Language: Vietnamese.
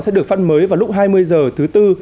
sẽ được phát mới vào lúc hai mươi h thứ tư